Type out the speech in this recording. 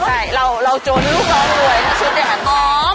ใช่เราโจรลูกเรารวยสุดเนี่ยแบบนั้น